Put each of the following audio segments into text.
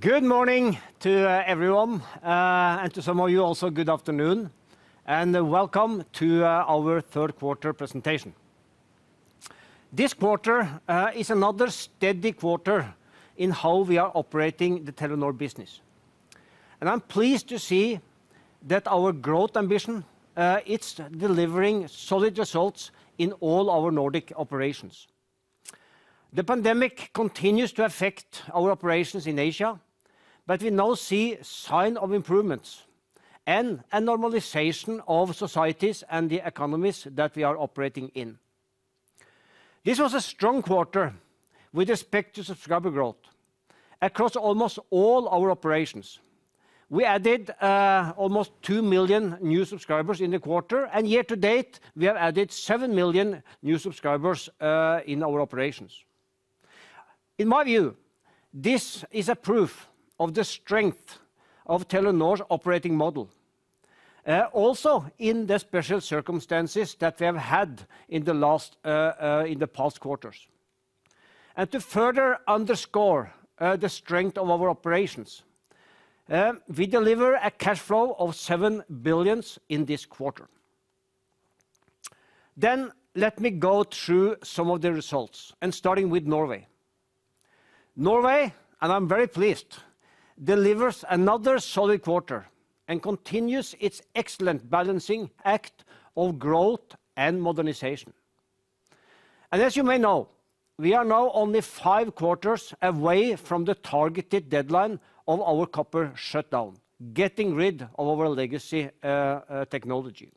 Good morning to everyone, and to some of you also good afternoon, and welcome to our third quarter presentation. This quarter is another steady quarter in how we are operating the Telenor business. I'm pleased to see that our growth ambition it's delivering solid results in all our Nordic operations. The pandemic continues to affect our operations in Asia, but we now see sign of improvements and a normalization of societies and the economies that we are operating in. This was a strong quarter with respect to subscriber growth across almost all our operations. We added almost 2 million new subscribers in the quarter, and year to date, we have added 7 million new subscribers in our operations. In my view, this is a proof of the strength of Telenor's operating model, also in the special circumstances that we have had in the past quarters. To further underscore the strength of our operations, we deliver a cash flow of 7 billion in this quarter. Let me go through some of the results, starting with Norway. Norway, I'm very pleased, delivers another solid quarter and continues its excellent balancing act of growth and modernization. As you may know, we are now only five quarters away from the targeted deadline of our copper shutdown, getting rid of our legacy technology.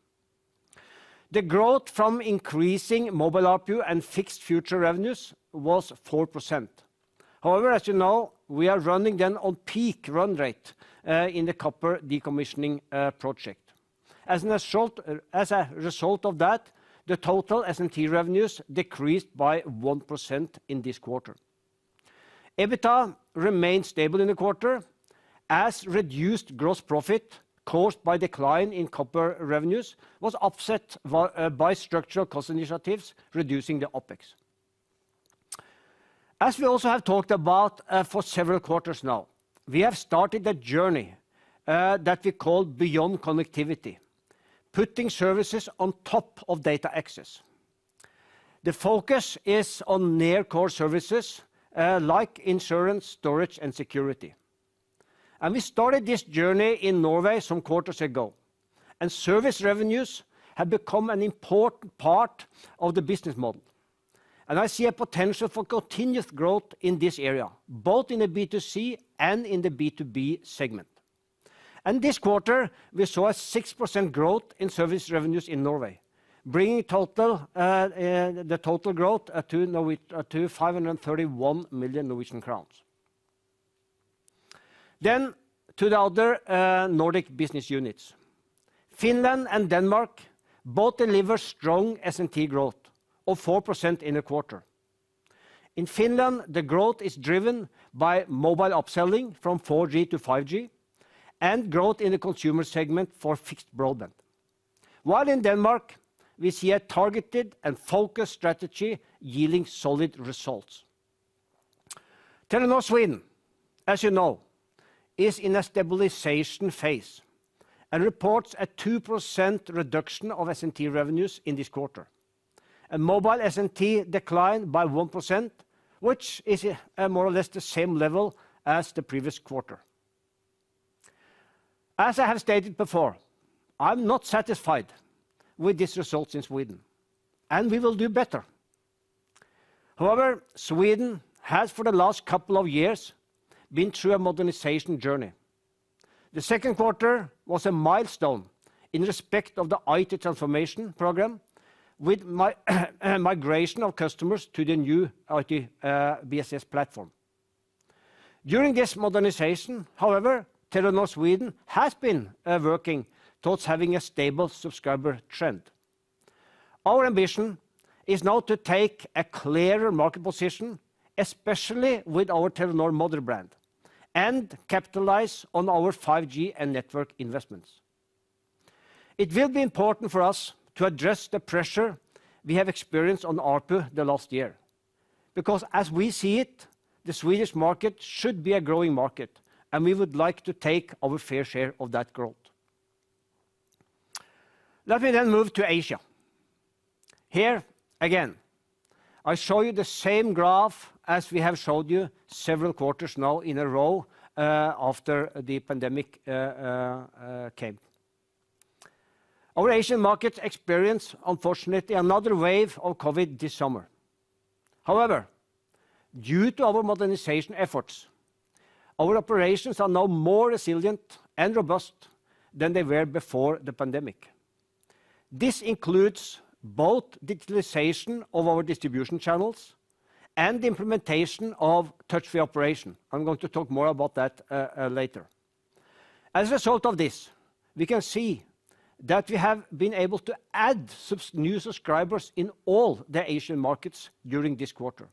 The growth from increasing mobile ARPU and fixed fibre revenues was 4%. However, as you know, we are running at peak run rate in the copper decommissioning project. As a result. As a result of that, the total S&T revenues decreased by 1% in this quarter. EBITDA remained stable in the quarter as reduced gross profit caused by decline in copper revenues was offset by by structural cost initiatives reducing the OpEx. As we also have talked about for several quarters now, we have started a journey that we call Beyond Connectivity, putting services on top of data access. The focus is on near core services like insurance, storage, and security. We started this journey in Norway some quarters ago, and service revenues have become an important part of the business model. I see a potential for continuous growth in this area, both in the B2C and in the B2B segment. This quarter, we saw a 6% growth in service revenues in Norway, bringing total the total growth to 531 million Norwegian crowns. To the other Nordic business units. Finland and Denmark both deliver strong S&T growth of 4% in a quarter. In Finland, the growth is driven by mobile upselling from 4G to 5G and growth in the consumer segment for fixed broadband. While in Denmark, we see a targeted and focused strategy yielding solid results. Telenor Sweden, as you know, is in a stabilization phase and reports a 2% reduction of S&T revenues in this quarter. A mobile S&T declined by 1%, which is more or less the same level as the previous quarter. As I have stated before, I'm not satisfied with this result in Sweden, and we will do better. However, Sweden has for the last couple of years been through a modernization journey. The second quarter was a milestone in respect of the IT transformation program with migration of customers to the new IT, BSS platform. During this modernization, however, Telenor Sweden has been working towards having a stable subscriber trend. Our ambition is now to take a clearer market position, especially with our Telenor mother brand, and capitalize on our 5G and network investments. It will be important for us to address the pressure we have experienced on ARPU the last year. Because as we see it, the Swedish market should be a growing market, and we would like to take our fair share of that growth. Let me then move to Asia. Here again, I show you the same graph as we have showed you several quarters now in a row, after the pandemic came. Our Asian markets experience, unfortunately, another wave of COVID this summer. However, due to our modernization efforts, our operations are now more resilient and robust than they were before the pandemic. This includes both digitalization of our distribution channels and implementation of touch-free operations. I'm going to talk more about that later. As a result of this, we can see that we have been able to add new subscribers in all the Asian markets during this quarter.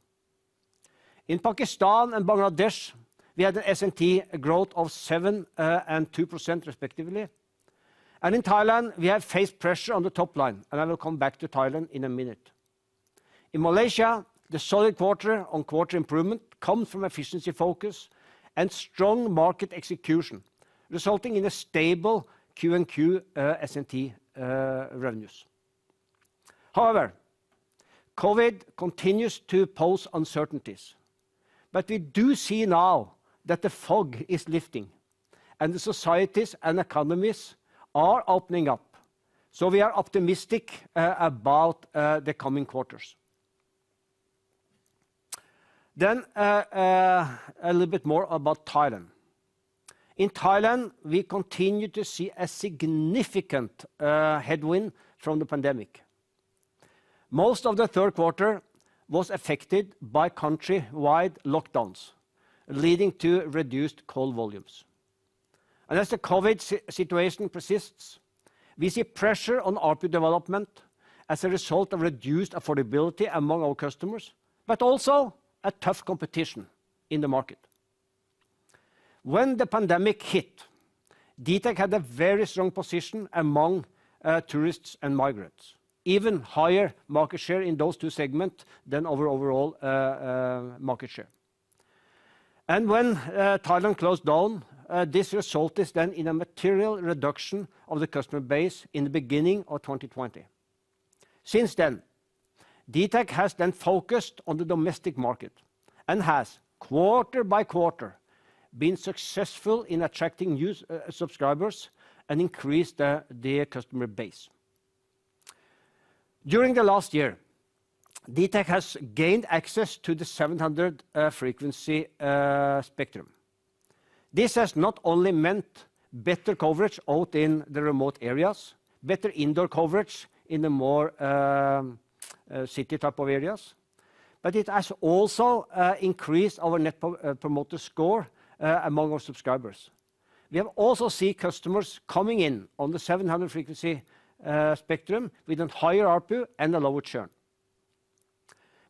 In Pakistan and Bangladesh, we had a subscriber growth of 7% and 2% respectively. In Thailand, we have faced pressure on the top line, and I will come back to Thailand in a minute. In Malaysia, the solid quarter-on-quarter improvement comes from efficiency focus and strong market execution, resulting in stable QoQ S&T revenues. However, COVID continues to pose uncertainties, but we do see now that the fog is lifting, and the societies and economies are opening up. We are optimistic about the coming quarters. A little bit more about Thailand. In Thailand, we continue to see a significant headwind from the pandemic. Most of the third quarter was affected by countrywide lockdowns, leading to reduced call volumes. As the COVID situation persists, we see pressure on ARPU development as a result of reduced affordability among our customers, but also a tough competition in the market. When the pandemic hit, DTAC had a very strong position among tourists and migrants, even higher market share in those two segments than our overall market share. When Thailand closed down, this resulted then in a material reduction of the customer base in the beginning of 2020. Since then, DTAC has then focused on the domestic market and has, quarter by quarter, been successful in attracting new subscribers and increased their customer base. During the last year, DTAC has gained access to the 700 MHz spectrum. This has not only meant better coverage out in the remote areas, better indoor coverage in the more city type of areas, but it has also increased our net promoter score among our subscribers. We have also seen customers coming in on the 700 MHz spectrum with a higher ARPU and a lower churn.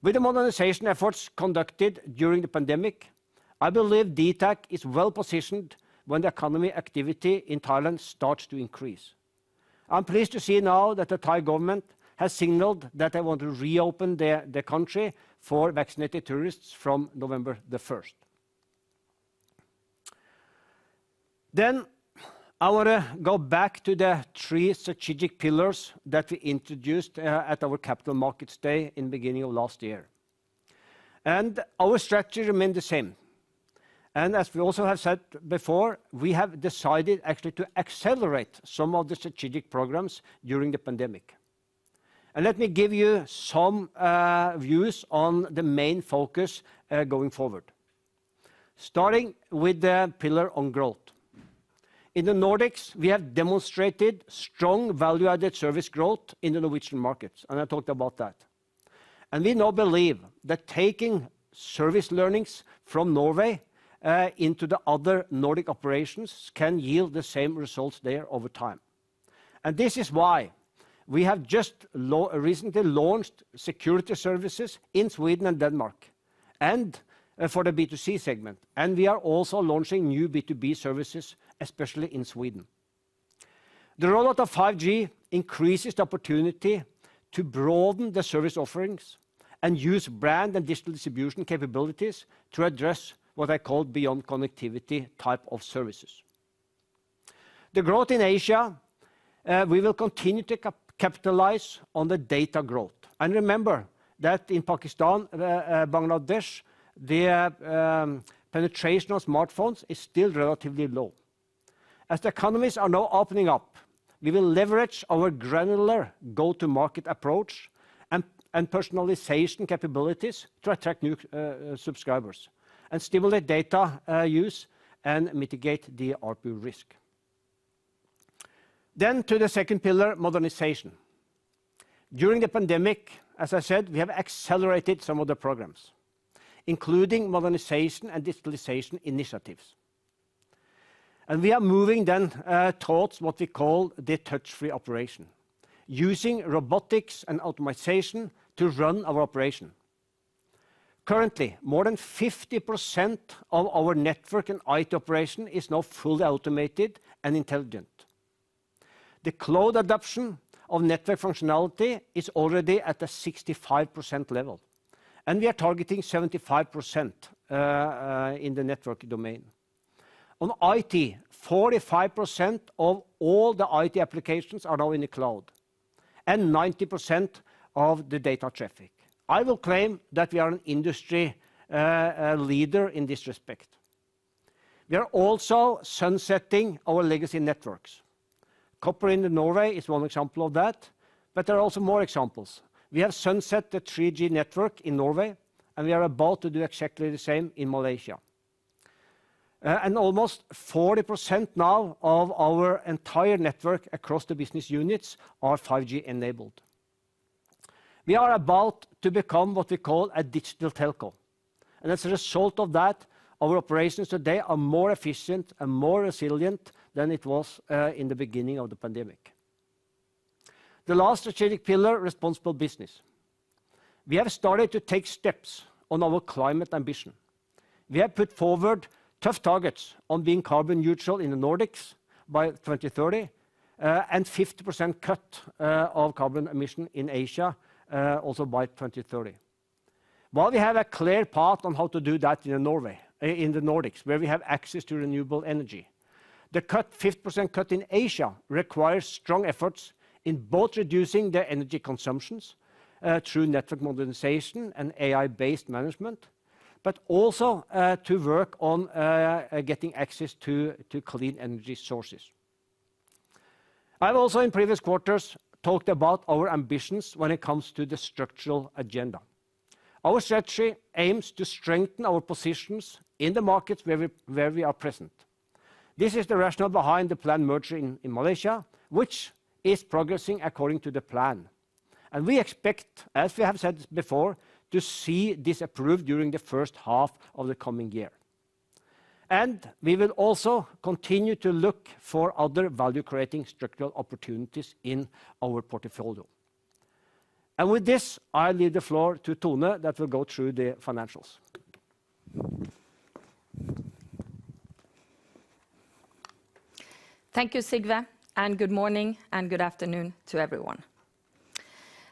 With the modernization efforts conducted during the pandemic, I believe DTAC is well positioned when the economic activity in Thailand starts to increase. I'm pleased to see now that the Thai government has signaled that they want to reopen the country for vaccinated tourists from November 1. I wanna go back to the three strategic pillars that we introduced at our Capital Markets Day in beginning of last year. Our strategy remain the same. As we also have said before, we have decided actually to accelerate some of the strategic programs during the pandemic. Let me give you some views on the main focus going forward. Starting with the pillar on growth. In the Nordics, we have demonstrated strong value-added service growth in the Norwegian markets, and I talked about that. We now believe that taking service learnings from Norway into the other Nordic operations can yield the same results there over time. This is why we have just recently launched security services in Sweden and Denmark and for the B2C segment, and we are also launching new B2B services, especially in Sweden. The rollout of 5G increases the opportunity to broaden the service offerings and use brand and digital distribution capabilities to address what I call Beyond Connectivity type of services. The growth in Asia, we will continue to capitalize on the data growth. Remember that in Pakistan, Bangladesh, their penetration of smartphones is still relatively low. As the economies are now opening up, we will leverage our granular go-to-market approach and personalization capabilities to attract new subscribers and stimulate data use and mitigate the ARPU risk. To the second pillar, modernization. During the pandemic, as I said, we have accelerated some of the programs, including modernization and digitalization initiatives. We are moving then towards what we call the touch-free operation, using robotics and automation to run our operation. Currently, more than 50% of our network and IT operation is now fully automated and intelligent. The cloud adoption of network functionality is already at a 65% level, and we are targeting 75% in the network domain. On IT, 45% of all the IT applications are now in the cloud and 90% of the data traffic. I will claim that we are an industry leader in this respect. We are also sunsetting our legacy networks. Copper in Norway is one example of that, but there are also more examples. We have sunset the 3G network in Norway, and we are about to do exactly the same in Malaysia. Almost 40% now of our entire network across the business units are 5G enabled. We are about to become what we call a digital telco. As a result of that, our operations today are more efficient and more resilient than it was in the beginning of the pandemic. The last strategic pillar responsible business. We have started to take steps on our climate ambition. We have put forward tough targets on being carbon neutral in the Nordics by 2030, and 50% cut of carbon emission in Asia also by 2030. While we have a clear path on how to do that in Norway in the Nordics, where we have access to renewable energy, the 50% cut in Asia requires strong efforts in both reducing their energy consumptions through network modernization and AI-based management, but also to work on getting access to clean energy sources. I've also in previous quarters talked about our ambitions when it comes to the structural agenda. Our strategy aims to strengthen our positions in the markets where we are present. This is the rationale behind the planned merger in Malaysia, which is progressing according to the plan. We expect, as we have said before, to see this approved during the first half of the coming year. We will also continue to look for other value-creating structural opportunities in our portfolio. With this, I leave the floor to Tone that will go through the financials. Thank you, Sigve, and good morning and good afternoon to everyone.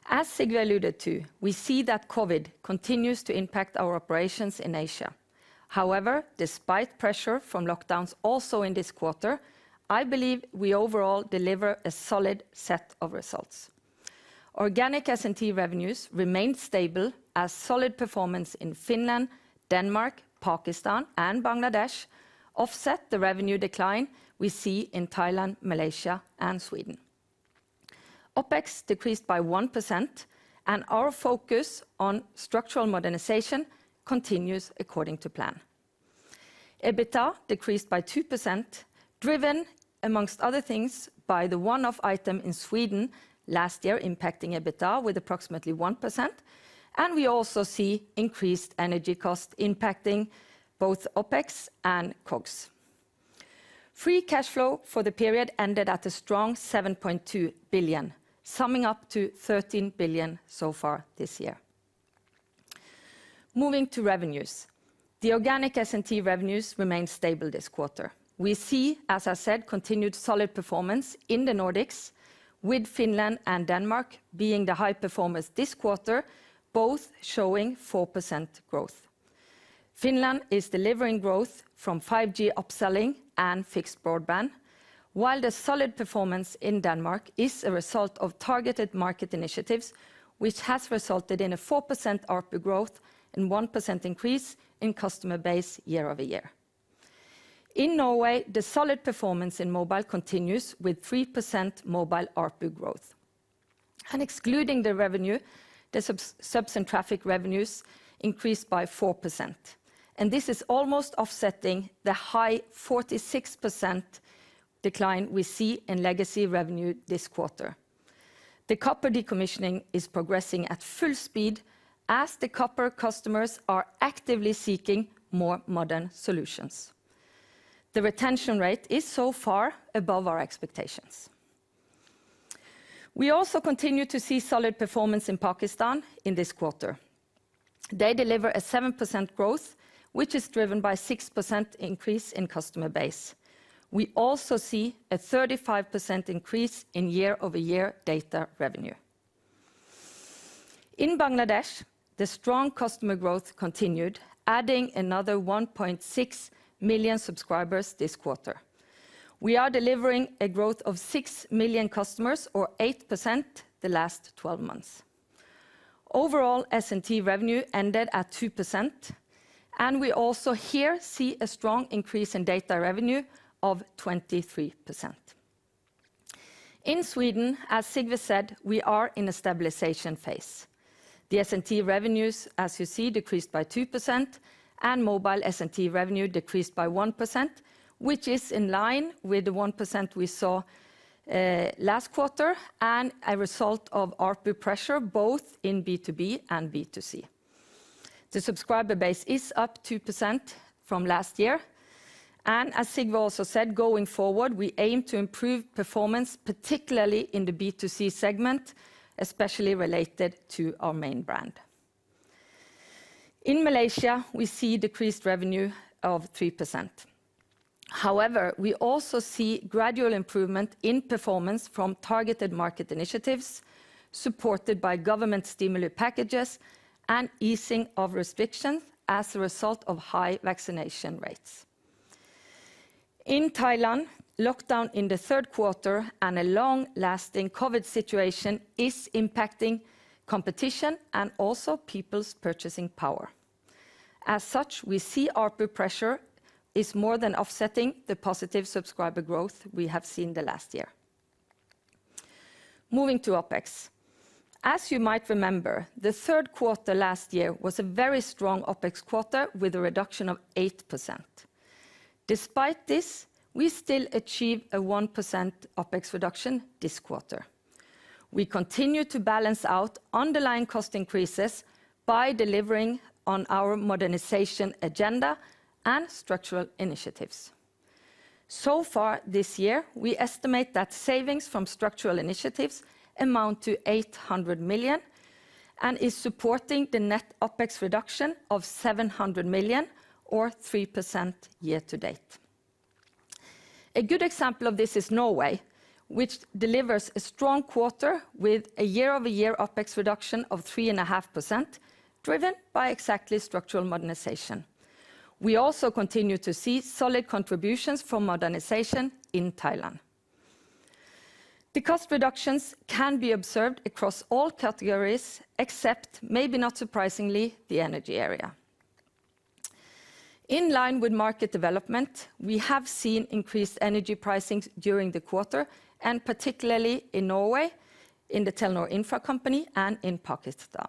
As Sigve alluded to, we see that COVID continues to impact our operations in Asia. However, despite pressure from lockdowns also in this quarter, I believe we overall deliver a solid set of results. Organic S&T revenues remained stable as solid performance in Finland, Denmark, Pakistan, and Bangladesh offset the revenue decline we see in Thailand, Malaysia, and Sweden. OPEX decreased by 1%, and our focus on structural modernization continues according to plan. EBITDA decreased by 2%, driven among other things by the one-off item in Sweden last year impacting EBITDA with approximately 1%, and we also see increased energy costs impacting both OPEX and COGS. Free cash flow for the period ended at a strong 7.2 billion, summing up to 13 billion so far this year. Moving to revenues. The organic S&T revenues remained stable this quarter. We see, as I said, continued solid performance in the Nordics with Finland and Denmark being the high performers this quarter, both showing 4% growth. Finland is delivering growth from 5G upselling and fixed broadband, while the solid performance in Denmark is a result of targeted market initiatives, which has resulted in a 4% ARPU growth and 1% increase in customer base year-over-year. In Norway, the solid performance in mobile continues with 3% mobile ARPU growth. Excluding the revenue, the subs and traffic revenues increased by 4%, and this is almost offsetting the high 46% decline we see in legacy revenue this quarter. The copper decommissioning is progressing at full speed as the copper customers are actively seeking more modern solutions. The retention rate is so far above our expectations. We also continue to see solid performance in Pakistan in this quarter. They deliver a 7% growth, which is driven by 6% increase in customer base. We also see a 35% increase in year-over-year data revenue. In Bangladesh, the strong customer growth continued, adding another 1.6 million subscribers this quarter. We are delivering a growth of 6 million customers or 8% the last twelve months. Overall, S&T revenue ended at 2%, and we also here see a strong increase in data revenue of 23%. In Sweden, as Sigve said, we are in a stabilization phase. The S&T revenues, as you see, decreased by 2% and mobile S&T revenue decreased by 1%, which is in line with the 1% we saw last quarter and a result of ARPU pressure both in B2B and B2C. The subscriber base is up 2% from last year, and as Sigve also said, going forward, we aim to improve performance, particularly in the B2C segment, especially related to our main brand. In Malaysia, we see decreased revenue of 3%. However, we also see gradual improvement in performance from targeted market initiatives supported by government stimulus packages and easing of restrictions as a result of high vaccination rates. In Thailand, lockdown in the third quarter and a long-lasting COVID situation is impacting competition and also people's purchasing power. As such, we see ARPU pressure is more than offsetting the positive subscriber growth we have seen the last year. Moving to OPEX. As you might remember, the third quarter last year was a very strong OPEX quarter with a reduction of 8%. Despite this, we still achieved a 1% OPEX reduction this quarter. We continue to balance out underlying cost increases by delivering on our modernization agenda and structural initiatives. So far this year, we estimate that savings from structural initiatives amount to 800 million and is supporting the net OpEx reduction of 700 million or 3% year to date. A good example of this is Norway, which delivers a strong quarter with a year-over-year OpEx reduction of 3.5%, driven by exactly structural modernization. We also continue to see solid contributions from modernization in Thailand. The cost reductions can be observed across all categories except, maybe not surprisingly, the energy area. In line with market development, we have seen increased energy pricings during the quarter, and particularly in Norway, in the Telenor Infra company, and in Pakistan.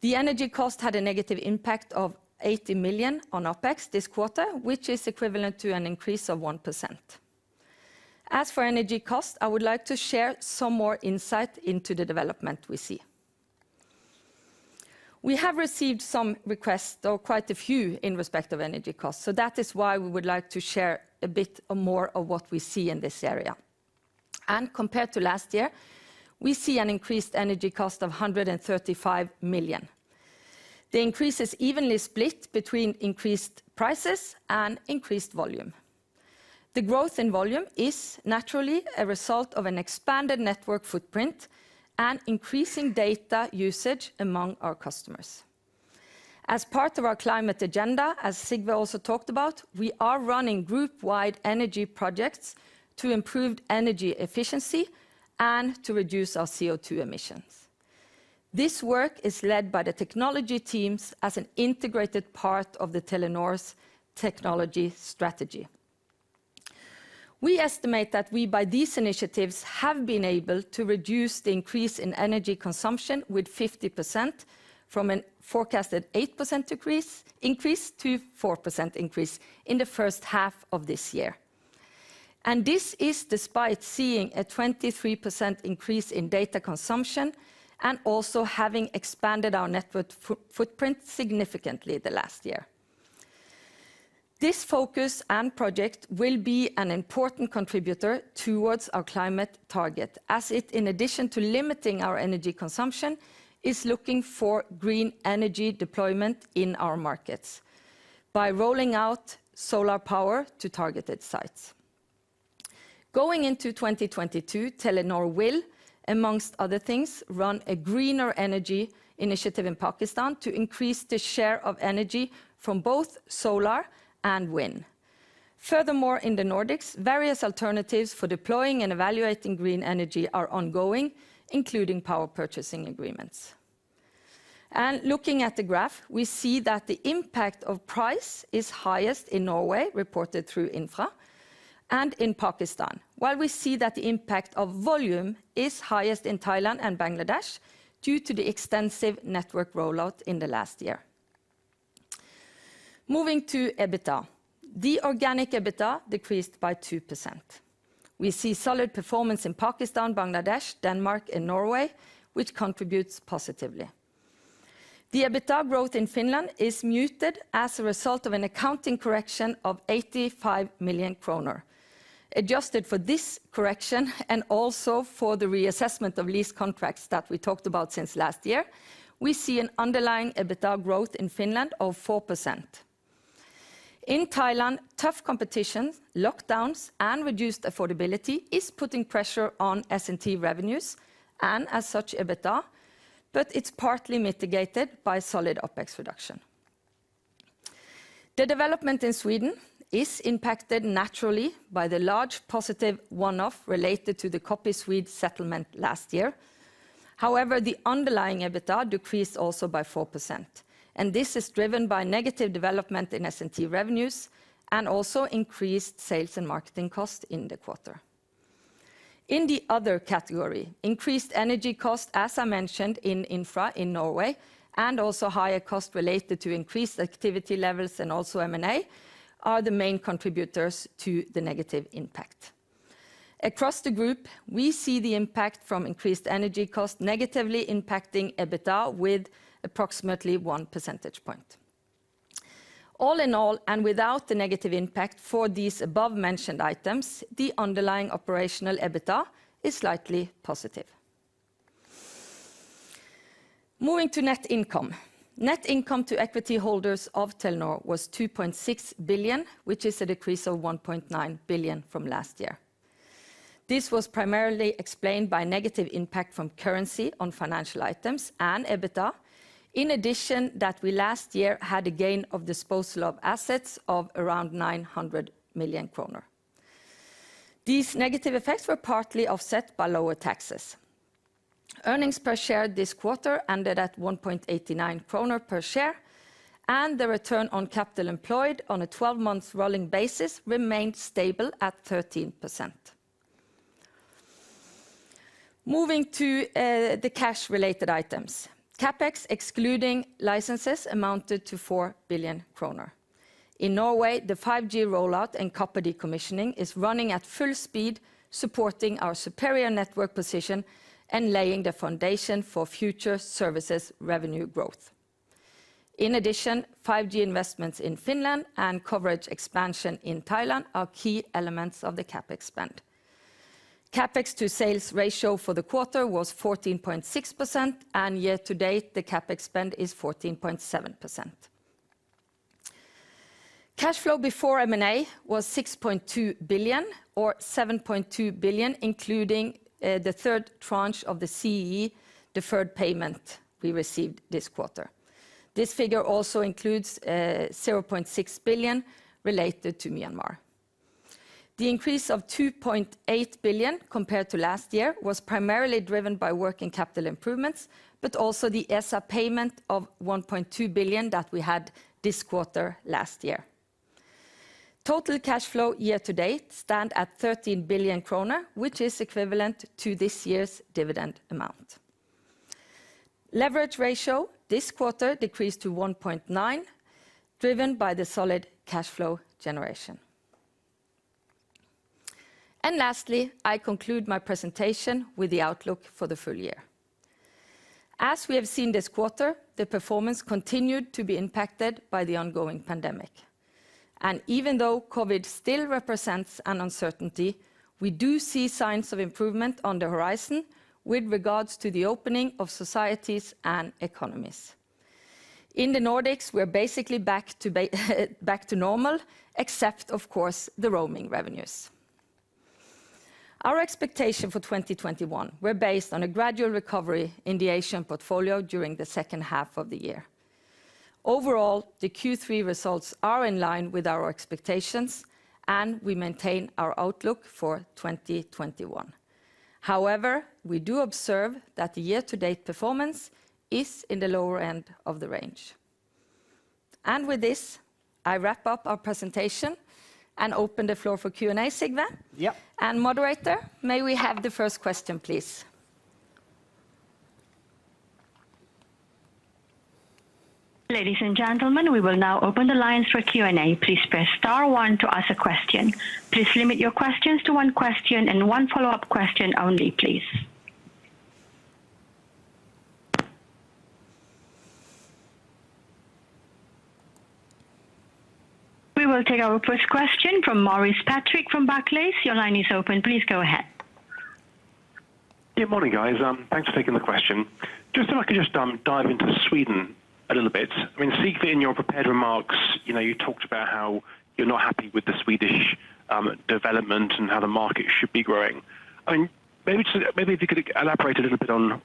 The energy cost had a negative impact of 80 million on OpEx this quarter, which is equivalent to an increase of 1%. As for energy cost, I would like to share some more insight into the development we see. We have received some requests or quite a few in respect of energy costs, so that is why we would like to share a bit more of what we see in this area. Compared to last year, we see an increased energy cost of 135 million. The increase is evenly split between increased prices and increased volume. The growth in volume is naturally a result of an expanded network footprint and increasing data usage among our customers. As part of our climate agenda, as Sigve also talked about, we are running group-wide energy projects to improve energy efficiency and to reduce our CO2 emissions. This work is led by the technology teams as an integrated part of the Telenor's technology strategy. We estimate that we, by these initiatives, have been able to reduce the increase in energy consumption with 50% from a forecasted 8% increase to 4% increase in the first half of this year. This is despite seeing a 23% increase in data consumption and also having expanded our network footprint significantly last year. This focus and project will be an important contributor towards our climate target as it, in addition to limiting our energy consumption, is looking for green energy deployment in our markets by rolling out solar power to targeted sites. Going into 2022, Telenor will, amongst other things, run a greener energy initiative in Pakistan to increase the share of energy from both solar and wind. Furthermore, in the Nordics, various alternatives for deploying and evaluating green energy are ongoing, including power purchase agreements. Looking at the graph, we see that the impact of price is highest in Norway, reported through Infra and in Pakistan, while we see that the impact of volume is highest in Thailand and Bangladesh due to the extensive network rollout in the last year. Moving to EBITDA. The organic EBITDA decreased by 2%. We see solid performance in Pakistan, Bangladesh, Denmark, and Norway, which contributes positively. The EBITDA growth in Finland is muted as a result of an accounting correction of 85 million kroner. Adjusted for this correction and also for the reassessment of lease contracts that we talked about since last year, we see an underlying EBITDA growth in Finland of 4%. In Thailand, tough competition, lockdowns, and reduced affordability is putting pressure on S&T revenues and as such EBITDA, but it's partly mitigated by solid OpEx reduction. The development in Sweden is impacted naturally by the large positive one-off related to the Copyswede settlement last year. However, the underlying EBITDA decreased also by 4%, and this is driven by negative development in S&T revenues and also increased sales and marketing costs in the quarter. In the other category, increased energy cost, as I mentioned in Infra in Norway, and also higher cost related to increased activity levels and also M&A are the main contributors to the negative impact. Across the group, we see the impact from increased energy cost negatively impacting EBITDA with approximately one percentage point. All in all, without the negative impact for these above-mentioned items, the underlying operational EBITDA is slightly positive. Moving to net income. Net income to equity holders of Telenor was 2.6 billion, which is a decrease of 1.9 billion from last year. This was primarily explained by negative impact from currency on financial items and EBITDA. In addition, that we last year had a gain on disposal of assets of around 900 million kroner. These negative effects were partly offset by lower taxes. Earnings per share this quarter ended at 1.89 kroner per share, and the return on capital employed on a twelve-month rolling basis remained stable at 13%. Moving to the cash-related items. CapEx, excluding licenses, amounted to 4 billion kroner. In Norway, the 5G rollout and copper decommissioning is running at full speed, supporting our superior network position and laying the foundation for future services revenue growth. In addition, 5G investments in Finland and coverage expansion in Thailand are key elements of the CapEx spend. CapEx to sales ratio for the quarter was 14.6%, and year to date, the CapEx spend is 14.7%. Cash flow before M&A was 6.2 billion or 7.2 billion, including the third tranche of the CEE deferred payment we received this quarter. This figure also includes 0.6 billion related to Myanmar. The increase of 2.8 billion compared to last year was primarily driven by working capital improvements, but also the ESSAR payment of 1.2 billion that we had this quarter last year. Total cash flow year to date stand at 13 billion kroner, which is equivalent to this year's dividend amount. Leverage ratio this quarter decreased to 1.9, driven by the solid cash flow generation. Lastly, I conclude my presentation with the outlook for the full year. As we have seen this quarter, the performance continued to be impacted by the ongoing pandemic. Even though COVID still represents an uncertainty, we do see signs of improvement on the horizon with regards to the opening of societies and economies. In the Nordics, we're basically back to normal, except, of course, the roaming revenues. Our expectation for 2021 were based on a gradual recovery in the Asian portfolio during the second half of the year. Overall, the Q3 results are in line with our expectations, and we maintain our outlook for 2021. However, we do observe that the year-to-date performance is in the lower end of the range. With this, I wrap up our presentation and open the floor for Q&A, Sigve. Yeah. Moderator, may we have the first question, please? Ladies and gentlemen, we will now open the lines for Q&A. Please press star one to ask a question. Please limit your questions to one question and one follow-up question only, please. We will take our first question from Maurice Patrick from Barclays. Your line is open. Please go ahead. Good morning, guys. Thanks for taking the question. Just so I could dive into Sweden a little bit. I mean, Sigve, in your prepared remarks, you know, you talked about how you're not happy with the Swedish development and how the market should be growing. I mean, maybe if you could elaborate a little bit on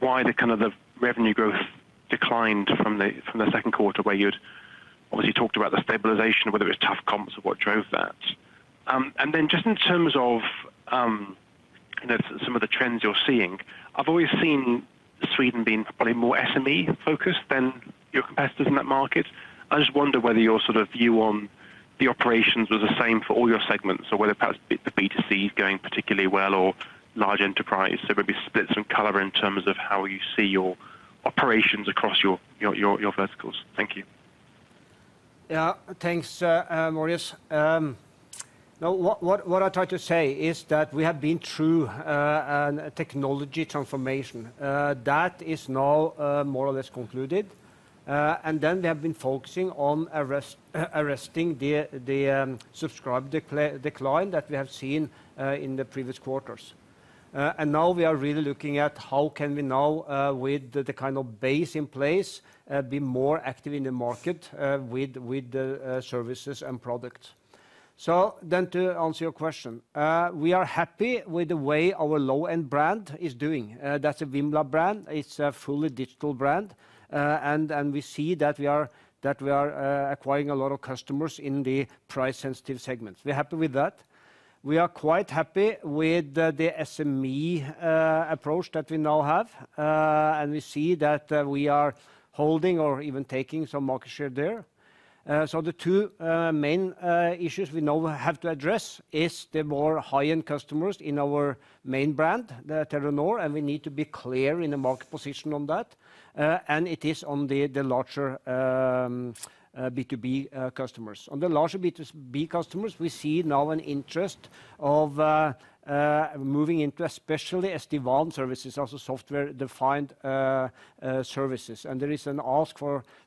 why the kind of revenue growth declined from the Q2 where you'd obviously talked about the stabilization, whether it was tough comps or what drove that. And then just in terms of you know, some of the trends you're seeing, I've always seen Sweden being probably more SME-focused than your competitors in that market. I just wonder whether your sort of view on the operations was the same for all your segments or whether perhaps the B2C is going particularly well or large enterprise? Maybe provide some color in terms of how you see your operations across your verticals. Thank you. Yeah. Thanks, Maurice. No, what I try to say is that we have been through a technology transformation that is now more or less concluded. Then we have been focusing on arresting the subscriber decline that we have seen in the previous quarters. Now we are really looking at how can we now with the kind of base in place be more active in the market with services and products. To answer your question, we are happy with the way our low-end brand is doing. That's a Vimla brand. It's a fully digital brand. We see that we are acquiring a lot of customers in the price-sensitive segments. We're happy with that. We are quite happy with the SME approach that we now have. We see that we are holding or even taking some market share there. The two main issues we now have to address is the more high-end customers in our main brand, the Telenor, and we need to be clear in the market position on that, and it is on the larger B2B customers. On the larger B2B customers, we see now an interest of moving into especially SD-WAN services, also software-defined services. There is an ask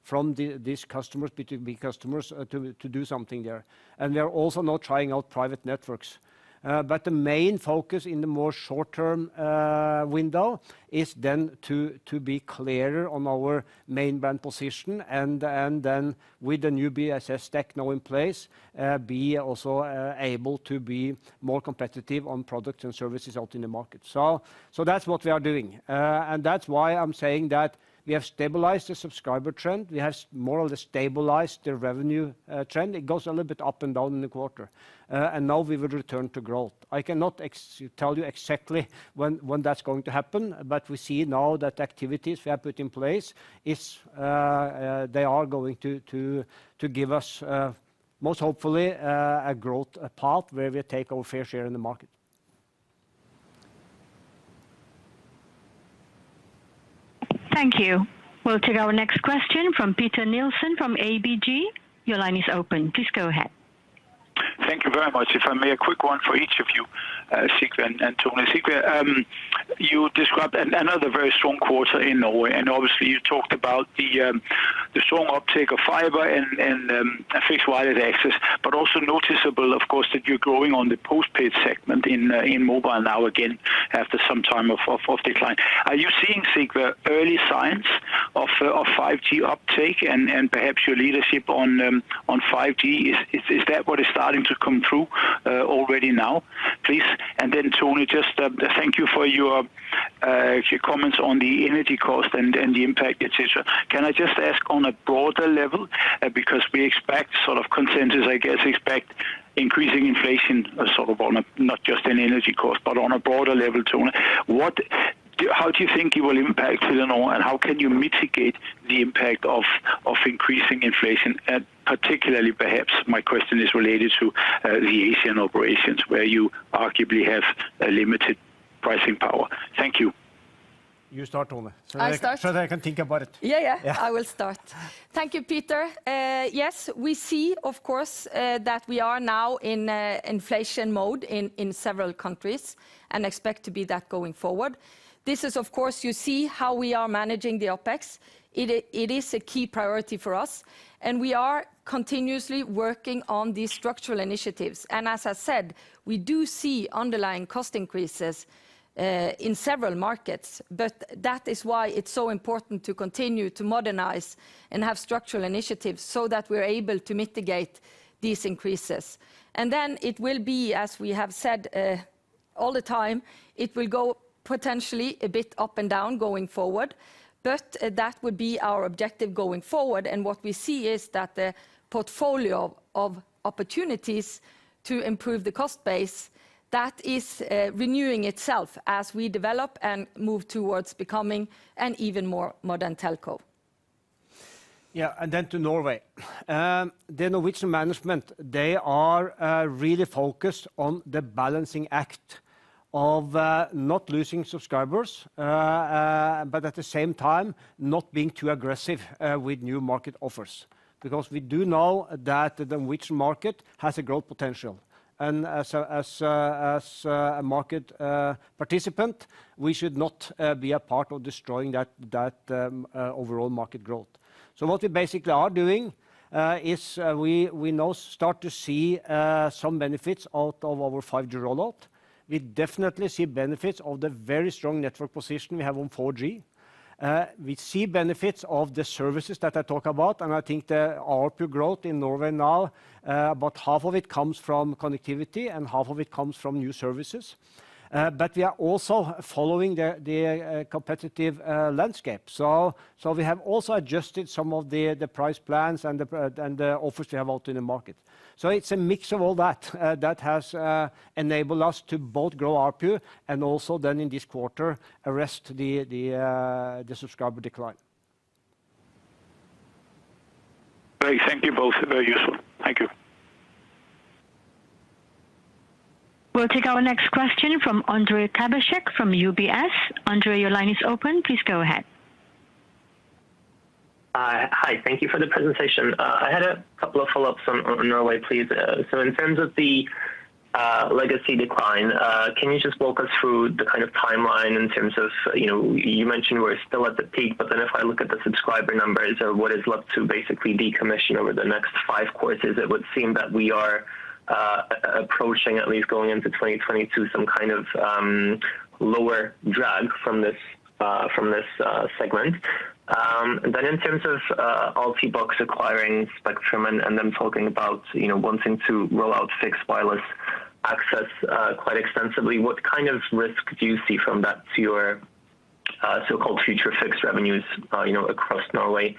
from these customers, B2B customers to do something there. They're also now trying out private networks. The main focus in the more short-term window is then to be clearer on our main brand position and then with the new BSS tech now in place, be also able to be more competitive on products and services out in the market. That's what we are doing. That's why I'm saying that we have stabilized the subscriber trend. We have more or less stabilized the revenue trend. It goes a little bit up and down in the quarter. Now we will return to growth. I cannot tell you exactly when that's going to happen, but we see now that activities we have put in place is they are going to give us most hopefully a growth path where we take our fair share in the market. Thank you. We'll take our next question from Peter Nielsen from ABG. Your line is open. Please go ahead. Thank you very much. If I may, a quick one for each of you, Sigve and Tone. Sigve, you described another very strong quarter in Norway, and obviously you talked about the strong uptake of fiber and fixed wireless access, but also noticeable, of course, that you're growing on the post-paid segment in mobile now again after some time of decline. Are you seeing, Sigve, early signs of 5G uptake and perhaps your leadership on 5G? Is that what is starting to come through already now, please? Then Tone, just thank you for your comments on the energy cost and the impact, et cetera. Can I just ask on a broader level, because we expect sort of consensus, I guess, expect increasing inflation sort of not just in energy cost, but on a broader level, Tone. How do you think it will impact Telenor, and how can you mitigate the impact of increasing inflation, particularly perhaps my question is related to the Asian operations where you arguably have a limited pricing power. Thank you. You start, Tone. I start. So that I can think about it. Yeah, yeah. Yeah. I will start. Thank you, Peter. Yes, we see of course that we are now in an inflation mode in several countries and expect to be that going forward. This is of course, you see how we are managing the OPEX. It is a key priority for us, and we are continuously working on these structural initiatives. As I said, we do see underlying cost increases in several markets. That is why it's so important to continue to modernize and have structural initiatives so that we're able to mitigate these increases. It will be, as we have said, all the time, it will go potentially a bit up and down going forward, but that would be our objective going forward. What we see is that the portfolio of opportunities to improve the cost base, that is, renewing itself as we develop and move towards becoming an even more modern telco. Yeah. Then to Norway. The Norwegian management, they are really focused on the balancing act of not losing subscribers, but at the same time, not being too aggressive with new market offers. Because we do know that the Norwegian market has a growth potential. As a market participant, we should not be a part of destroying that overall market growth. What we basically are doing is we now start to see some benefits out of our 5G rollout. We definitely see benefits of the very strong network position we have on 4G. We see benefits of the services that I talk about, and I think the RPU growth in Norway now, about half of it comes from connectivity and half of it comes from new services. We are also following the competitive landscape. We have also adjusted some of the price plans and the offers we have out in the market. It's a mix of all that has enabled us to both grow RPU and also then in this quarter arrest the subscriber decline. Great. Thank you both. Very useful. Thank you. We'll take our next question from Ondrej Cabejsek from UBS. Ondrej, your line is open. Please go ahead. Hi. Thank you for the presentation. I had a couple of follow-ups on Norway, please. In terms of the legacy decline, can you just walk us through the kind of timeline in terms of, you know, you mentioned we're still at the peak, but then if I look at the subscriber numbers or what is left to basically decommission over the next five quarters, it would seem that we are approaching at least going into 2022 some kind of lower drag from this segment. In terms of Altibox acquiring Broadnet and them talking about, you know, wanting to roll out fixed wireless access quite extensively, what kind of risk do you see from that to your so-called future fixed revenues, you know, across Norway?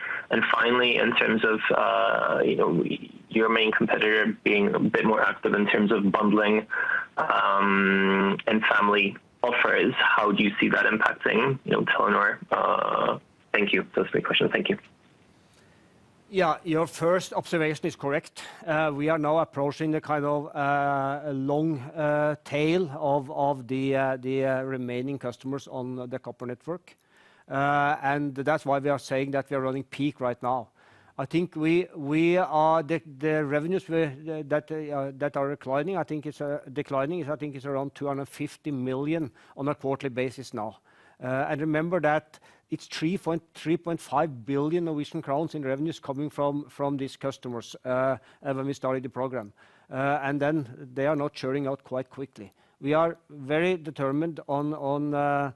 Finally, in terms of you know your main competitor being a bit more active in terms of bundling and family offers, how do you see that impacting you know Telenor? Thank you. Those are three questions. Thank you. Yeah. Your first observation is correct. We are now approaching the kind of long tail of the remaining customers on the copper network. That's why we are saying that we are running peak right now. I think the revenues that are declining, I think it's around 250 million on a quarterly basis now. Remember that it's 3.5 billion Norwegian crowns in revenues coming from these customers when we started the program. Then they are not churning out quite quickly. We are very determined on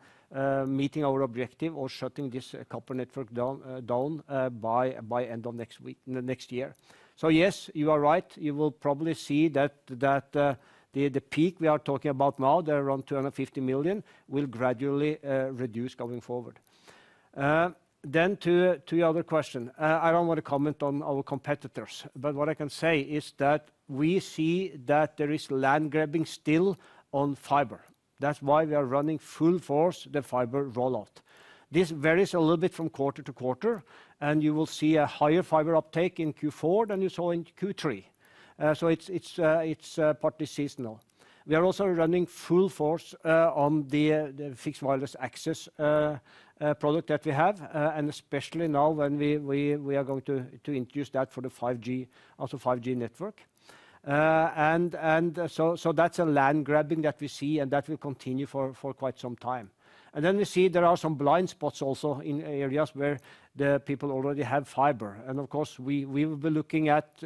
meeting our objective of shutting this copper network down by end of next year. Yes, you are right. You will probably see that the peak we are talking about now, the around 250 million, will gradually reduce going forward. To your other question. I don't want to comment on our competitors, but what I can say is that we see that there is land grabbing still on fiber. That's why we are running full force the fiber rollout. This varies a little bit from quarter to quarter, and you will see a higher fiber uptake in Q4 than you saw in Q3. It's partly seasonal. We are also running full force on the fixed wireless access product that we have. Especially now when we are going to introduce that for the 5G, also 5G network. That's a land grabbing that we see and that will continue for quite some time. Then we see there are some blind spots also in areas where the people already have fiber. Of course we will be looking at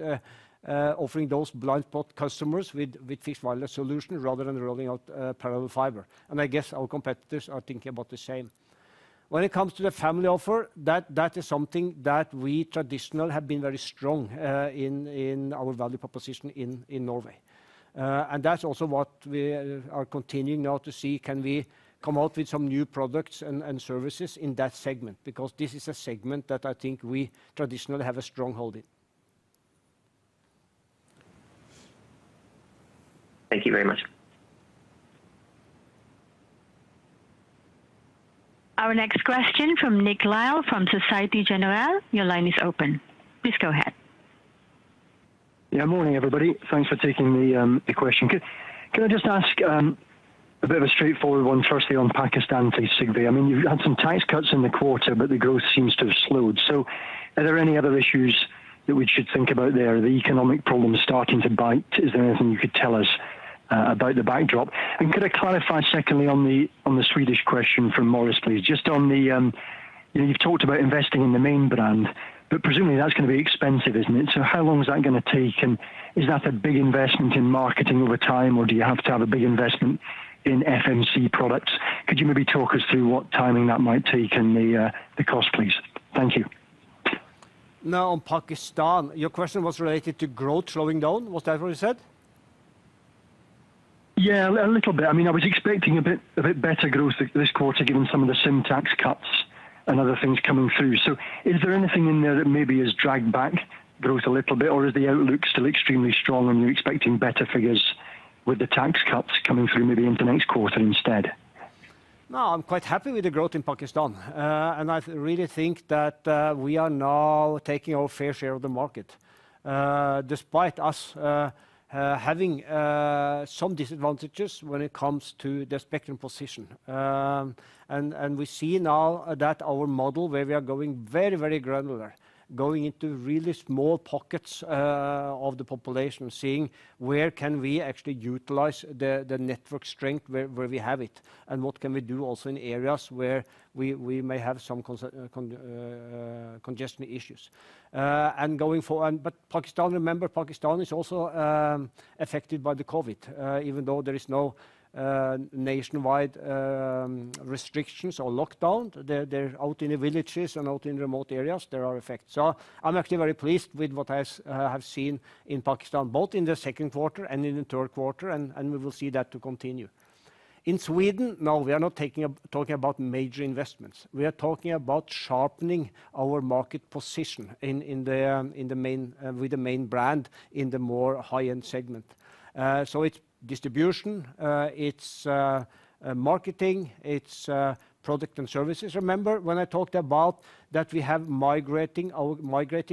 offering those blind spot customers with fixed wireless solution rather than rolling out parallel fiber. I guess our competitors are thinking about the same. When it comes to the family offer, that is something that we traditionally have been very strong in our value proposition in Norway. That's also what we are continuing now to see can we come out with some new products and services in that segment, because this is a segment that I think we traditionally have a strong hold in. Thank you very much. Our next question from Nick Lyall from Société Générale. Your line is open. Please go ahead. Morning, everybody. Thanks for taking the question. Can I just ask a bit of a straightforward one firstly on Pakistan please, Sigve. I mean, you've had some tax cuts in the quarter, but the growth seems to have slowed. Are there any other issues that we should think about there? Are the economic problems starting to bite? Is there anything you could tell us about the backdrop? Could I clarify secondly on the Swedish question from Maurice Patrick, please? Just on the, you know, you've talked about investing in the main brand, but presumably that's gonna be expensive, isn't it? How long is that gonna take? Is that a big investment in marketing over time, or do you have to have a big investment in FMC products? Could you maybe talk us through what timing that might take and the cost, please? Thank you. Now on Pakistan, your question was related to growth slowing down. Was that what you said? Yeah. A little bit. I mean, I was expecting a bit better growth this quarter given some of the SIM tax cuts and other things coming through. Is there anything in there that maybe has dragged back growth a little bit, or is the outlook still extremely strong and you're expecting better figures with the tax cuts coming through maybe into next quarter instead? No, I'm quite happy with the growth in Pakistan. I really think that we are now taking our fair share of the market, despite us having some disadvantages when it comes to the spectrum position. We see now that our model where we are going very, very granular, going into really small pockets of the population, seeing where we can actually utilize the network strength where we have it, and what we can do also in areas where we may have some congestion issues. Pakistan, remember Pakistan is also affected by the COVID, even though there is no nationwide restrictions or lockdown. They're out in the villages and out in remote areas, there are effects. I'm actually very pleased with what I've seen in Pakistan, both in the second quarter and in the third quarter and we will see that to continue. In Sweden, no, we are not talking about major investments. We are talking about sharpening our market position in the main with the main brand in the more high-end segment. It's distribution. It's marketing. It's product and services. Remember when I talked about that we have migrated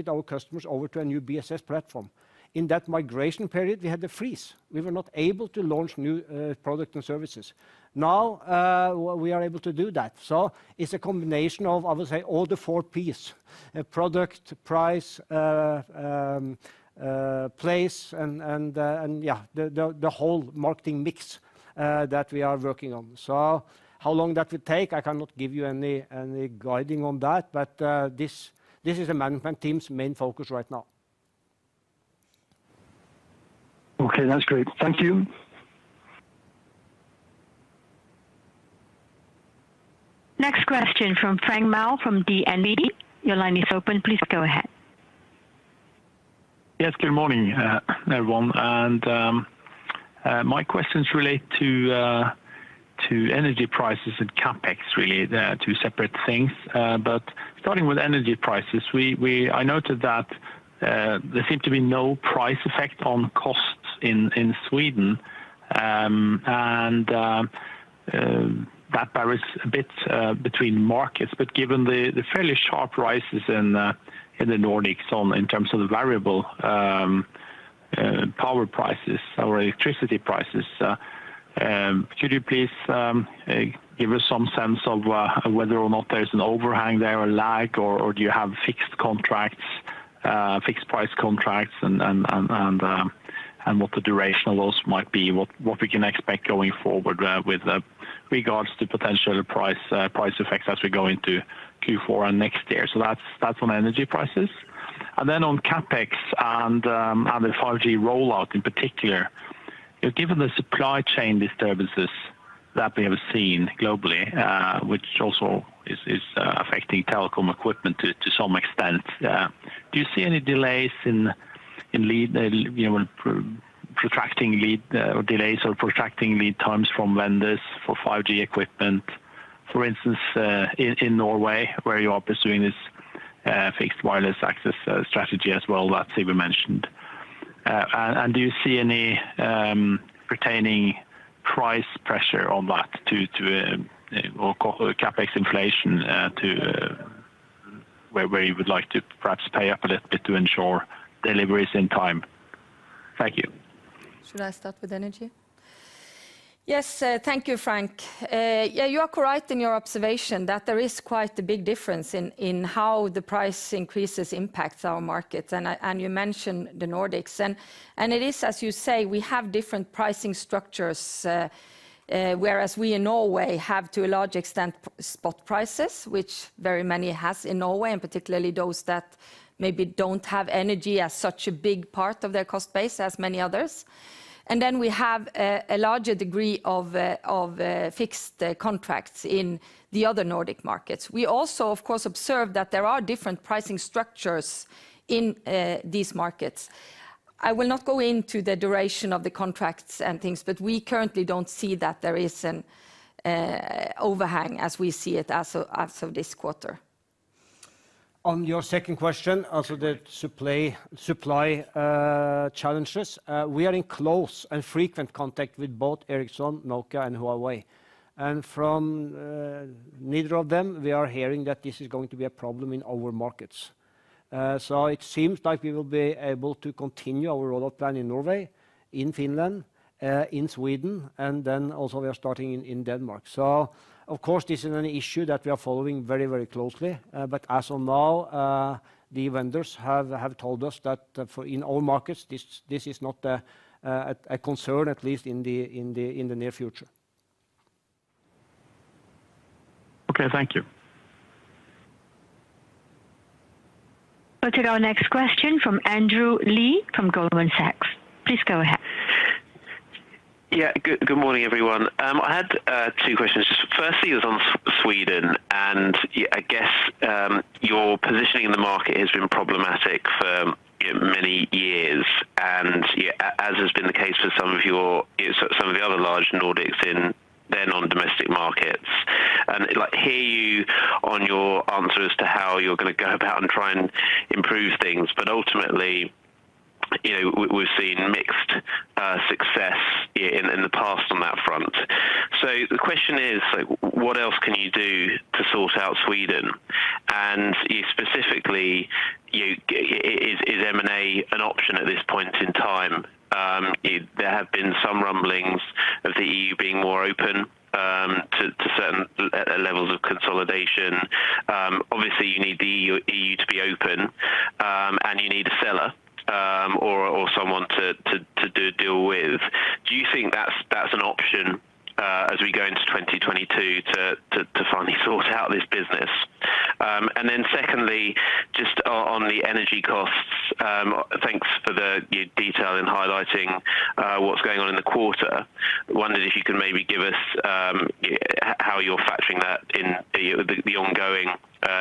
our customers over to a new BSS platform. In that migration period, we had to freeze. We were not able to launch new product and services. Now, we are able to do that. It's a combination of, I would say all the four Ps. Product, price, place and yeah, the whole marketing mix that we are working on. How long that will take, I cannot give you any guidance on that. This is the management team's main focus right now. Okay. That's great. Thank you. Next question from Frank Maaø from DNB Markets. Your line is open. Please go ahead. Yes, good morning, everyone. My questions relate to energy prices and CapEx really. They're two separate things. Starting with energy prices, I noted that there seemed to be no price effect on costs in Sweden. That varies a bit between markets. Given the fairly sharp rises in the Nordics in terms of the variable power prices or electricity prices, could you please give us some sense of whether or not there's an overhang there or lag, or do you have fixed contracts, fixed price contracts, and what the duration of those might be? What we can expect going forward with regards to potential price effects as we go into Q4 and next year. That's on energy prices. On CapEx and the 5G rollout in particular, you know, given the supply chain disturbances that we have seen globally, which also is affecting telecom equipment to some extent, do you see any delays or protracting lead times from vendors for 5G equipment? For instance, in Norway, where you are pursuing this fixed wireless access strategy as well that Sigve mentioned. Do you see any remaining price pressure on that too or CapEx inflation too where we would like to perhaps pay up a little bit to ensure delivery is in time? Thank you. Should I start with energy? Yes, thank you, Frank. Yeah, you are correct in your observation that there is quite a big difference in how the price increases impacts our markets. You mentioned the Nordics. It is, as you say, we have different pricing structures. Whereas we in Norway have to a large extent spot prices, which very many has in Norway, and particularly those that maybe don't have energy as such a big part of their cost base as many others. Then we have a larger degree of fixed contracts in the other Nordic markets. We also of course observe that there are different pricing structures in these markets. I will not go into the duration of the contracts and things, but we currently don't see that there is an overhang as we see it as of this quarter. On your second question, as of the supply challenges, we are in close and frequent contact with both Ericsson, Nokia, and Huawei. From neither of them, we are hearing that this is going to be a problem in our markets. It seems like we will be able to continue our rollout plan in Norway, in Finland, in Sweden, and then also we are starting in Denmark. Of course this is an issue that we are following very, very closely. As of now, the vendors have told us that in all markets, this is not a concern, at least in the near future. Okay. Thank you. We'll take our next question from Andrew Lee from Goldman Sachs. Please go ahead. Yeah. Good morning, everyone. I had two questions. First is on Sweden, and I guess your positioning in the market has been problematic for, you know, many years. As has been the case for some of your, you know, some of the other large Nordics in their own domestic markets. Like, I hear you on your answer as to how you're gonna go about and try and improve things. But ultimately, you know, we're seeing mixed success in the past on that front. So the question is, what else can you do to sort out Sweden? And specifically, is M&A an option at this point in time? There have been some rumblings of the EU being more open to certain levels of consolidation. Obviously you need the EU to be open, and you need a seller, or someone to do deal with. Do you think that's an option, as we go into 2022 to finally sort out this business? Then secondly, just on the energy costs. Thanks for your detail in highlighting what's going on in the quarter. Wondered if you could maybe give us how you're factoring that in the ongoing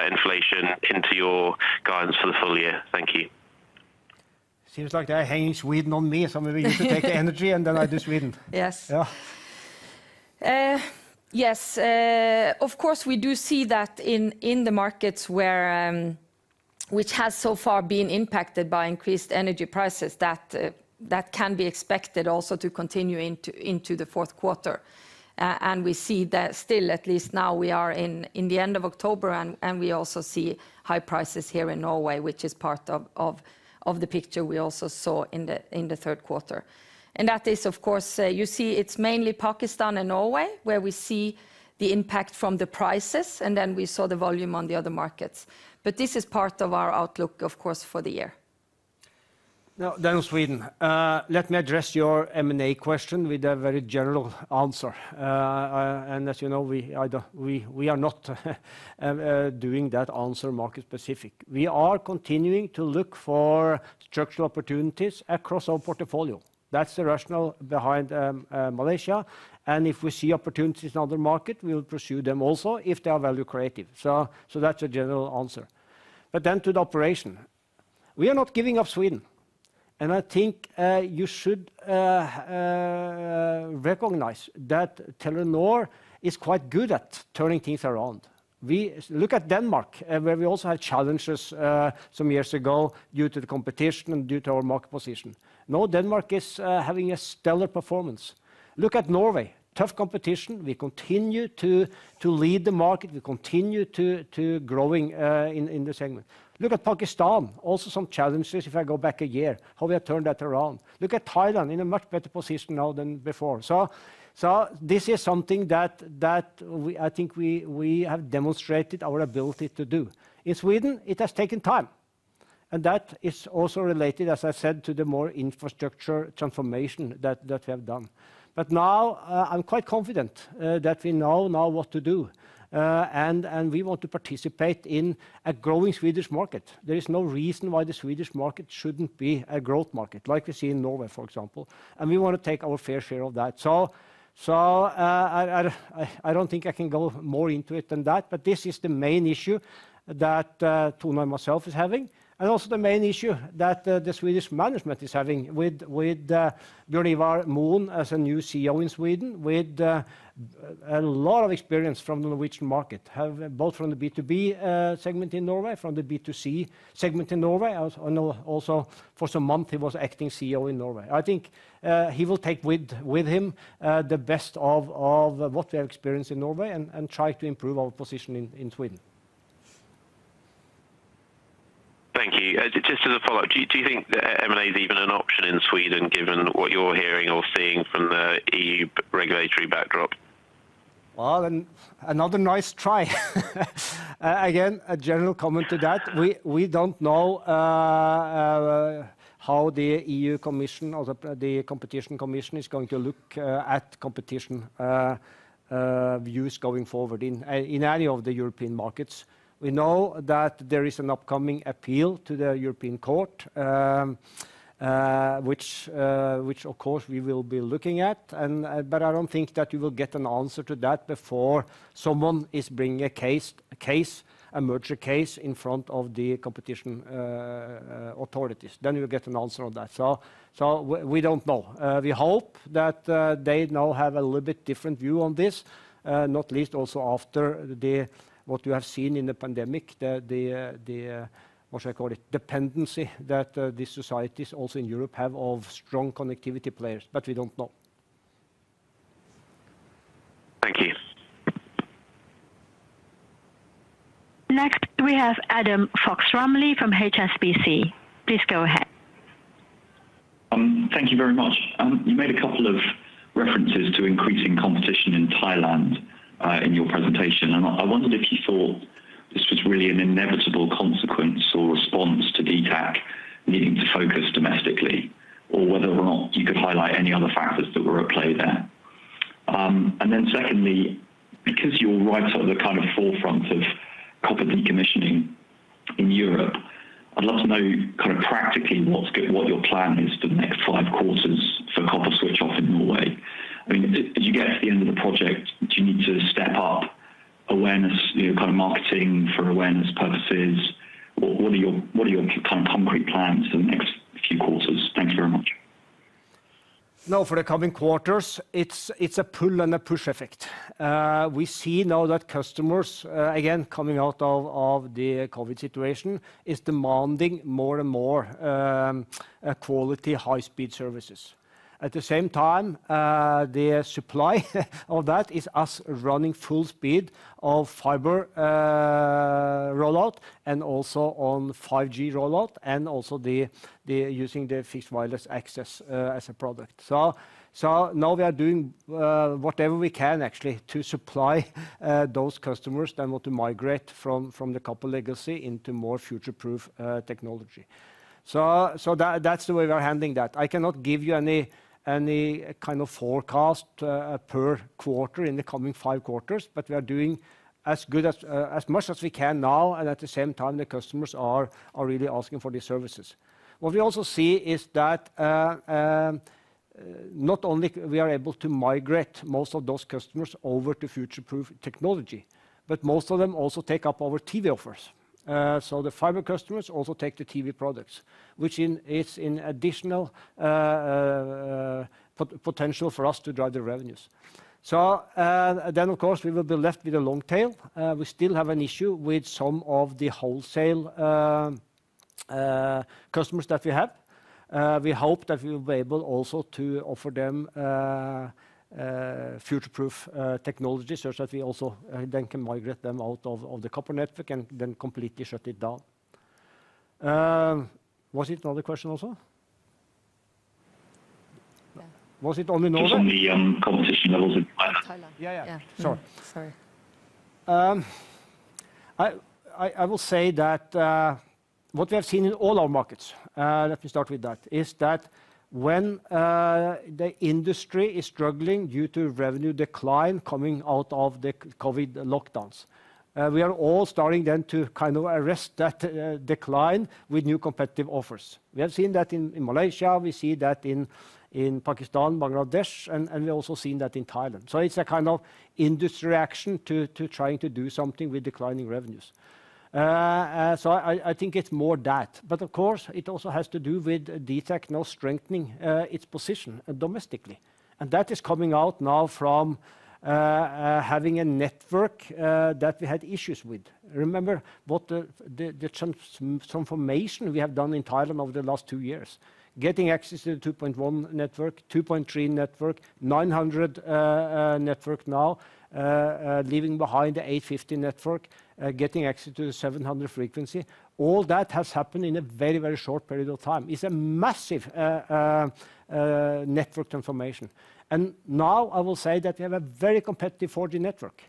inflation into your guidance for the full year. Thank you. Seems like they are hanging Sweden on me. Maybe you can take energy and then I do Sweden. Yes. Yeah. Yes. Of course, we do see that in the markets which has so far been impacted by increased energy prices that can be expected also to continue into the Q4. We see that still, at least now we are in the end of October and we also see high prices here in Norway, which is part of the picture we also saw in the Q3. That is of course, you see it's mainly Pakistan and Norway, where we see the impact from the prices, and then we saw the volume on the other markets. This is part of our outlook of course, for the year. Now, down to Sweden. Let me address your M&A question with a very general answer. As you know, we are not doing that in a market-specific. We are continuing to look for structural opportunities across our portfolio. That's the rationale behind Malaysia. If we see opportunities in other market, we will pursue them also if they are value creative. That's a general answer. Then to the operation. We are not giving up Sweden. I think you should recognize that Telenor is quite good at turning things around. Look at Denmark, where we also had challenges some years ago due to the competition and due to our market position. Now Denmark is having a stellar performance. Look at Norway, tough competition. We continue to lead the market. We continue to grow in this segment. Look at Pakistan, also some challenges if I go back a year, how we have turned that around. Look at Thailand, in a much better position now than before. This is something that I think we have demonstrated our ability to do. In Sweden, it has taken time, and that is also related, as I said, to the more infrastructure transformation that we have done. Now, I'm quite confident that we know now what to do. We want to participate in a growing Swedish market. There is no reason why the Swedish market shouldn't be a growth market like we see in Norway, for example. We wanna take our fair share of that. I don't think I can go more into it than that, but this is the main issue that Tone and myself is having, and also the main issue that the Swedish management is having with Bjørn Ivar Moen as a new CEO in Sweden with a lot of experience from the Norwegian market, have both from the B2B segment in Norway, from the B2C segment in Norway. Also, for some month, he was acting CEO in Norway. I think he will take with him the best of what we have experienced in Norway and try to improve our position in Sweden. Just as a follow-up, do you think that M&A is even an option in Sweden given what you're hearing or seeing from the EU regulatory backdrop? Well, another nice try. Again, a general comment to that. We don't know how the EU Commission or the Competition Commission is going to look at competition views going forward in any of the European markets. We know that there is an upcoming appeal to the European Court, which of course we will be looking at. I don't think that you will get an answer to that before someone is bringing a merger case in front of the competition authorities. You'll get an answer on that. We don't know. We hope that they now have a little bit different view on this, not least also after what we have seen in the pandemic, the what should I call it? dependency that these societies also in Europe have on strong connectivity players. But we don't know. Thank you. Next, we have Adam Fox-Rumley from HSBC. Please go ahead. Thank you very much. You made a couple of references to increasing competition in Thailand in your presentation. I wondered if you thought this was really an inevitable consequence or response to DTAC needing to focus domestically or whether or not you could highlight any other factors that were at play there. Secondly, because you're right at the kind of forefront of copper decommissioning in Europe, I'd love to know kind of practically what your plan is for the next five quarters for copper switch off in Norway. I mean, as you get to the end of the project, do you need to step up awareness, you know, kind of marketing for awareness purposes? What are your kind of concrete plans for the next few quarters? Thank you very much. Now for the coming quarters, it's a pull and a push effect. We see now that customers again coming out of the COVID situation is demanding more and more quality high speed services. At the same time, the supply of that is us running full speed of fiber rollout and also on 5G rollout and also the using the fixed wireless access as a product. Now we are doing whatever we can actually to supply those customers that want to migrate from the copper legacy into more future-proof technology. That, that's the way we are handling that. I cannot give you any kind of forecast per quarter in the coming five quarters, but we are doing as much as we can now, and at the same time, the customers are really asking for these services. What we also see is that not only we are able to migrate most of those customers over to future-proof technology, but most of them also take up our TV offers. The fiber customers also take the TV products, which is an additional potential for us to drive the revenues. Of course we will be left with a long tail. We still have an issue with some of the wholesale customers that we have. We hope that we will be able also to offer them future-proof technology such that we also then can migrate them out of the copper network and then completely shut it down. Was it another question also? Yeah. Was it only Norway? Just on the competition levels in Thailand. Thailand. Yeah. Yeah, yeah. Sorry. I will say that what we have seen in all our markets, let me start with that, is that when the industry is struggling due to revenue decline coming out of the COVID lockdowns, we are all starting then to kind of arrest that decline with new competitive offers. We have seen that in Malaysia. We see that in Pakistan, Bangladesh, and we're also seeing that in Thailand. It's a kind of industry reaction to trying to do something with declining revenues. I think it's more that. Of course, it also has to do with DTAC now strengthening its position domestically. That is coming out now from having a network that we had issues with. Remember what the transformation we have done in Thailand over the last two years. Getting access to the 2.1 network, 2.3 network, 900 network now, leaving behind the 850 network, getting access to the 700 frequency. All that has happened in a very short period of time. It's a massive network transformation. Now I will say that we have a very competitive 4G network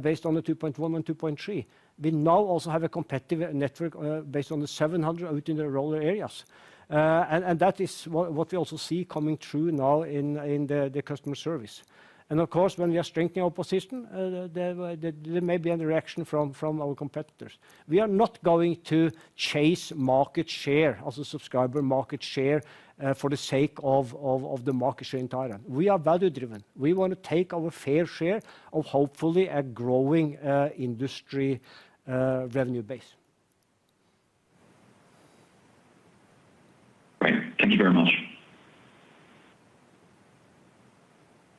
based on the 2.1 and 2.3. We now also have a competitive network based on the 700 out in the rural areas. That is what we also see coming through now in the customer service. Of course, when we are strengthening our position, there may be a reaction from our competitors. We are not going to chase market share as a subscriber market share, for the sake of the market share in Thailand. We are value driven. We wanna take our fair share of hopefully a growing industry revenue base. Great. Thank you very much.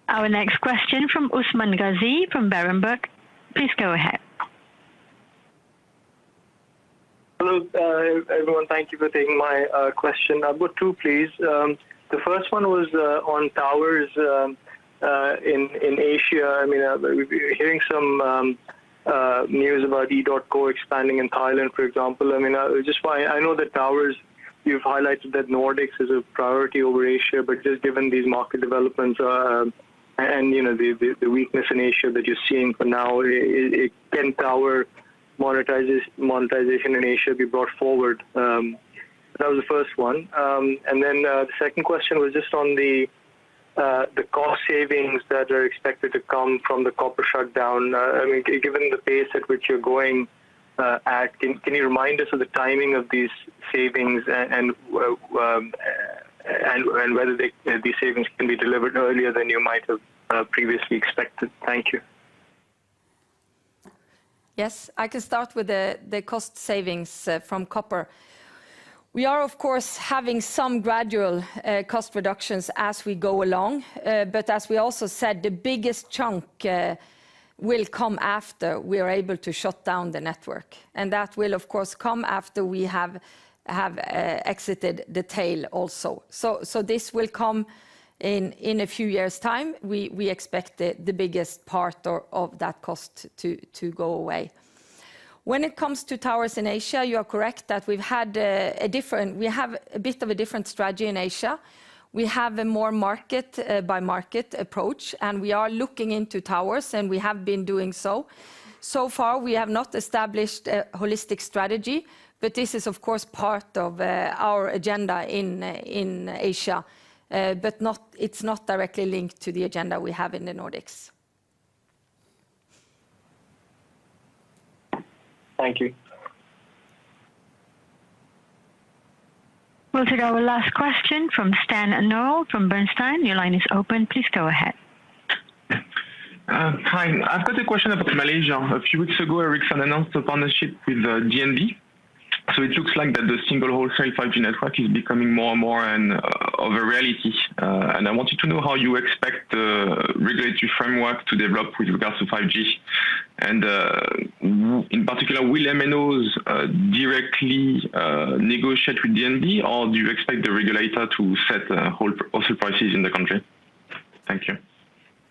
Our next question from Usman Ghazi from Berenberg. Please go ahead. Hello, everyone. Thank you for taking my question. I've got two, please. The first one was on towers in Asia. I mean, we've been hearing some news about edotco expanding in Thailand, for example. I mean, just why I know that towers, you've highlighted that Nordics is a priority over Asia, but just given these market developments, and you know, the weakness in Asia that you're seeing for now, can tower monetization in Asia be brought forward. That was the first one. Then the second question was just on the cost savings that are expected to come from the copper shutdown. I mean, given the pace at which you're going, can you remind us of the timing of these savings and whether they, these savings can be delivered earlier than you might have previously expected? Thank you. Yes. I can start with the cost savings from copper. We are, of course, having some gradual cost reductions as we go along. As we also said, the biggest chunk will come after we are able to shut down the network. That will of course come after we have exited the tail also. This will come in a few years' time. We expect the biggest part of that cost to go away. When it comes to towers in Asia, you are correct that we've had. We have a bit of a different strategy in Asia. We have a more market by market approach, and we are looking into towers, and we have been doing so. So far we have not established a holistic strategy, but this is of course part of our agenda in Asia. It's not directly linked to the agenda we have in the Nordics. Thank you. We'll take our last question from Siyi He from Citi. Your line is open. Please go ahead. Hi. I've got a question about Malaysia. A few weeks ago, Ericsson announced a partnership with DNB. It looks like the single wholesale 5G network is becoming more and more of a reality. I wanted to know how you expect the regulatory framework to develop with regards to 5G. In particular, will MNOs directly negotiate with DNB, or do you expect the regulator to set the wholesale prices in the country? Thank you.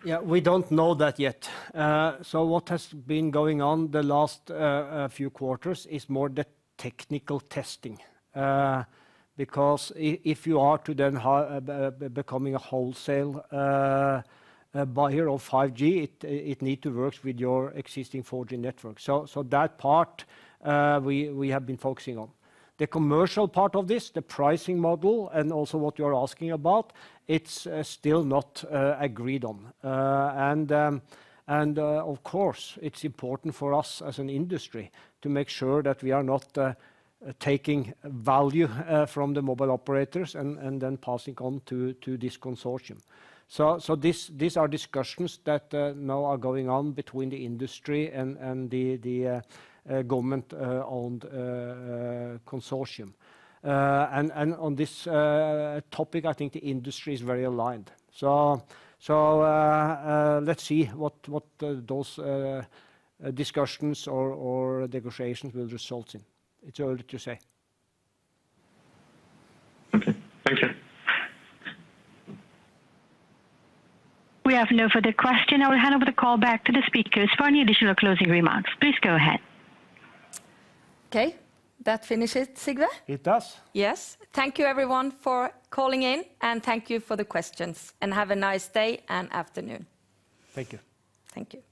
Yeah, we don't know that yet. What has been going on the last few quarters is more the technical testing. Because if you are to then becoming a wholesale buyer of 5G, it need to work with your existing 4G network. That part we have been focusing on. The commercial part of this, the pricing model and also what you're asking about, it's still not agreed on. Of course, it's important for us as an industry to make sure that we are not taking value from the mobile operators and then passing on to this consortium. These are discussions that now are going on between the industry and the government owned consortium. On this topic, I think the industry is very aligned. Let's see what those discussions or negotiations will result in. It's early to say. Okay. Thank you. We have no further question. I will hand over the call back to the speakers for any additional closing remarks. Please go ahead. Okay. That finishes it, Sigve? It does. Yes. Thank you everyone for calling in, and thank you for the questions. Have a nice day and afternoon. Thank you. Thank you.